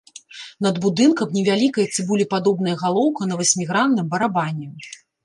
Над будынкам невялікая цыбулепадобная галоўка на васьмігранным барабане.